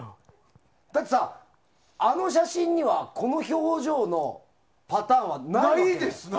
だってさ、あの写真にはこの表情のパターンはないわけでしょ。